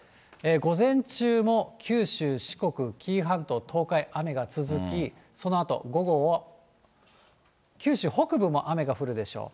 午前中も九州、四国、紀伊半島、東海、雨が続き、そのあと午後も九州北部も雨が降るでしょう。